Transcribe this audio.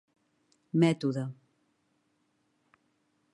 mètode.